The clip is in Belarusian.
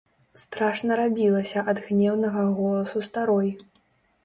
Страшна рабілася ад гнеўнага голасу старой.